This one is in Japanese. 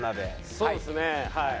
そうですねはい。